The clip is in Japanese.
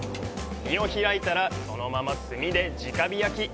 身を開いたら、そのまま炭で直火焼き。